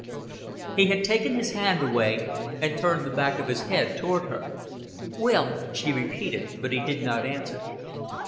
He had taken his hand away, and turned the back of his head toward her. "Will," she repeated; but he did not answer.